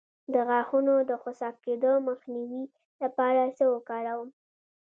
د غاښونو د خوسا کیدو مخنیوي لپاره څه وکاروم؟